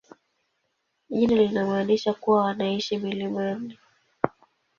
Jina linamaanisha kuwa wanaishi milimani.